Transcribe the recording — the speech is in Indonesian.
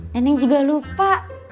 neneng juga lupa